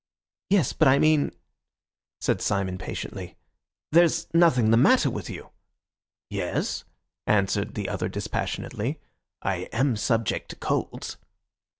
"Yes, but I mean," said Syme impatiently, "there's nothing the matter with you." "Yes," answered the other dispassionately. "I am subject to colds."